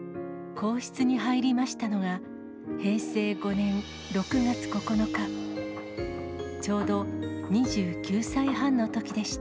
皇室に入りましたのが、平成５年６月９日、ちょうど２９歳半のときでした。